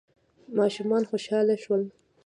ماشومان خوشحاله شول.